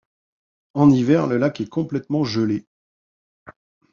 En hiver, le lac est complètement gelé.